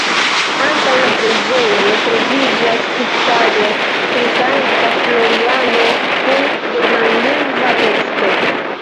Antaŭ la preĝejo troviĝas skulptaĵo pri Sankta Floriano kun germanlingva teksto.